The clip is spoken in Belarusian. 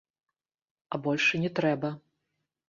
А больш і не трэба.